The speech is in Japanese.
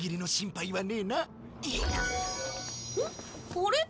あれ？